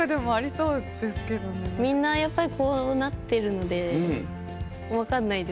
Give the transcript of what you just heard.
みんなやっぱりこうなってるので分かんないです。